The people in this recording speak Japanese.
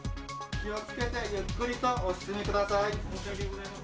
気をつけてゆっくりとお進みください。